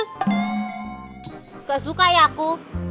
nggak suka ya aku